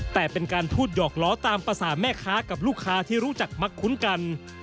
แต่เป็นการพูดหยอกล้อตามภาษาแม่ค้ากับลูกค้าที่รู้จักมักคุ้นกัน